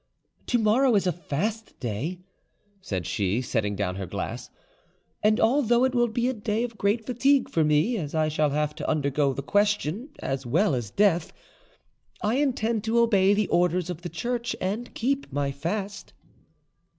"To morrow is a fast day," said she, setting down her glass, "and although it will be a day of great fatigue for me, as I shall have to undergo the question as well as death, I intend to obey the orders of the Church and keep my fast."